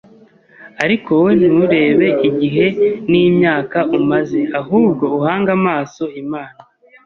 Ariko wowe nturebe igihe n’imyaka umaze ahubwo uhange amaso Imana